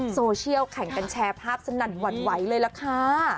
โซเชียลแข่งกันแชร์ภาพสนัดหวั่นไหวเลยละค่ะ